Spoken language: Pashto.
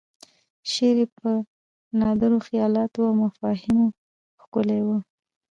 شعر یې په نادرو خیالاتو او مفاهیمو ښکلی و.